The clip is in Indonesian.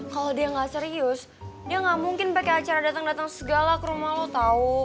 kalo dia ga serius dia ga mungkin pake acara dateng dateng segala ke rumah lo tau